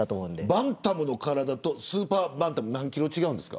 バンタムの体とスーパーバンタムは何キロ違うんですか。